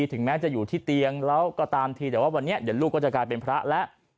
ถึงแม้จะอยู่ที่เตียงแล้วก็ตามทีแต่ว่าวันนี้เดี๋ยวลูกก็จะกลายเป็นพระแล้ว